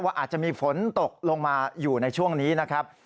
อาจจะมีฝนตกลงมาอยู่ในช่วงนี้นะครับ